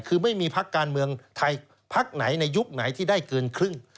คือไม่มีพักการเมืองไทยพักไหนในยุคไหนที่ได้เกินครึ่ง